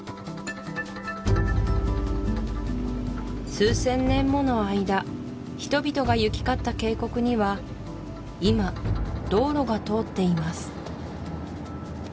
数千年もの間人々が行き交った渓谷には今道路が通っています